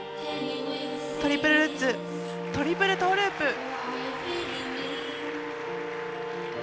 トリプルルッツトリプルトーループ。